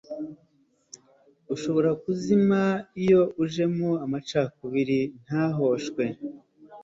ushobora kuzima iyo ujemo amacakubiri ntahoshwe